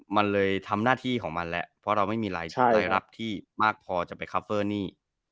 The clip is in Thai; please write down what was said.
มันเลยทำหน้าที่ของมันแล้วเพราะเราไม่มีรายชื่อรายรับที่มากพอจะไปคัฟเฟอร์หนี้